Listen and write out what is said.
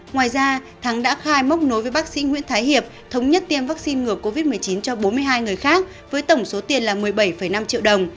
ngoài ra thắng đã khai móc nối với bác sĩ nguyễn thái hiệp thống nhất tiêm vaccine ngừa covid một mươi chín cho bốn mươi hai người khác với tổng số tiền là một mươi bảy năm triệu đồng